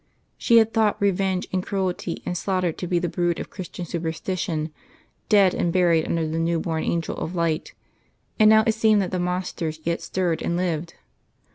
She had thought revenge and cruelty and slaughter to be the brood of Christian superstition, dead and buried under the new born angel of light, and now it seemed that the monsters yet stirred and lived.